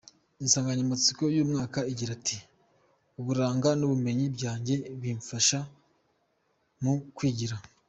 Insanganyamatsiko y’uyu mwaka igira iti : “Uburanga n’ubumenyi byanjye bimfasha mu kwigira”.